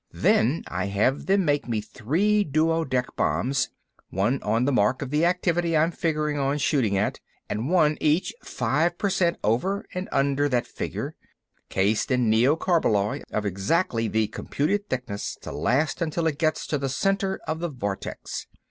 Then I have them make me three duodec bombs—one on the mark of the activity I'm figuring on shooting at, and one each five percent over and under that figure—cased in neocarballoy of exactly the computed thickness to last until it gets to the center of the vortex.